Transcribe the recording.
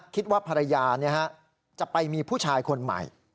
คิดว่าภรรยาจะไปมีผู้ชายคนใหม่